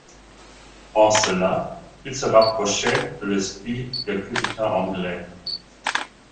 En cela, il se rapprochait de l'esprit des puritains anglais.